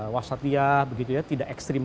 wasatia tidak ekstrim